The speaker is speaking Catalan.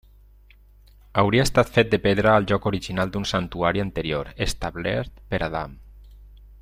Hauria estat feta de pedra al lloc original d'un santuari anterior, establert per Adam.